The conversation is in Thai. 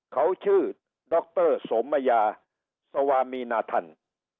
เขาชื่อดรสมมัยาสวามีนาธรรม